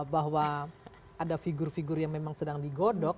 bahwa ada figur figur yang memang sedang digodok